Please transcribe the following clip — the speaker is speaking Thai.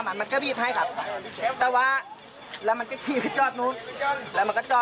มันมันก็บีบให้ครับแต่ว่าแล้วมันก็ทีไปจอดโน้น